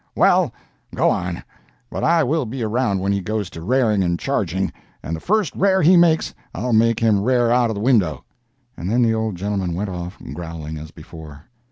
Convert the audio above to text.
] "Well, go on; but I will be around when he goes to rairing and charging, and the first rair he makes I'll make him rair out of the window." And then the old gentleman went off, growling as before.